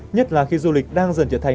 nhất là khi du lịch đang dần trở thành